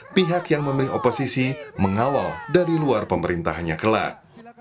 yang meminta pihak yang memilih oposisi mengawal dari luar pemerintahnya kelah